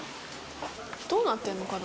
どうなってるのかな。